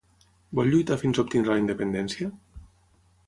Vol lluitar fins a obtenir la independència?